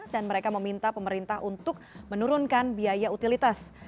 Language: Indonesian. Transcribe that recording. dan mereka meminta pemerintah untuk menurunkan biaya utilitas